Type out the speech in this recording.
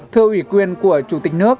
thưa ủy quyền của chủ tịch nước